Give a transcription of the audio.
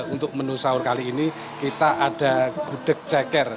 untuk menu sahur kali ini kita ada gudeg ceker